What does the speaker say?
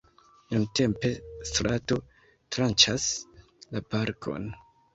Nuntempe strato tranĉas la parkon.